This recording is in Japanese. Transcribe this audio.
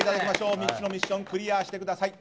３つのミッションをクリアしてください。